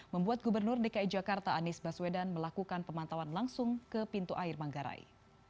membuat gubernur dki jakarta anies baswedan melakukan pemantauan langsung ke pintu air manggarai